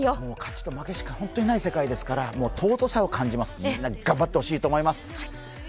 もう、勝ちと負けしかない世界ですから尊さを感じます、みんなに頑張ってほしいと思います。